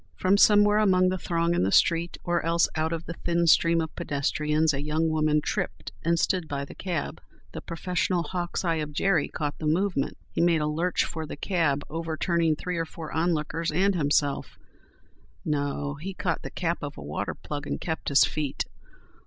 From somewhere among the throng in the street or else out of the thin stream of pedestrians a young woman tripped and stood by the cab. The professional hawk's eye of Jerry caught the movement. He made a lurch for the cab, overturning three or four onlookers and himself—no! he caught the cap of a water plug and kept his feet.